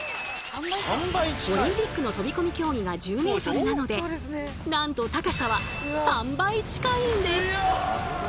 オリンピックの飛び込み競技が１０ｍなのでなんと高さは３倍近いんです！